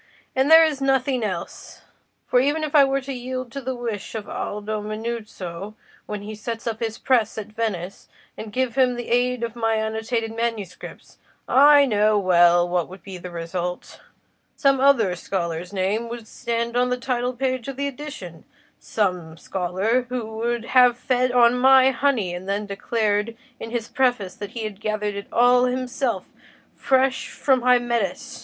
And there is nothing else. For even if I were to yield to the wish of Aldo Manuzio when he sets up his press at Venice, and give him the aid of my annotated manuscripts, I know well what would be the result: some other scholar's name would stand on the title page of the edition—some scholar who would have fed on my honey, and then declared in his preface that he had gathered it all himself fresh from Hymettus.